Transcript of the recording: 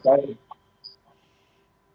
selamat malam dan salam sehat selalu pak